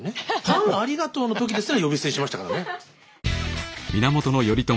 「パンありがとう」の時ですら呼び捨てにしましたからね。